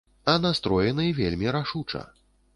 А настроены вельмі рашуча.